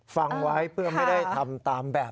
ฟังไว้เพื่อไม่ได้ทำตามแบบ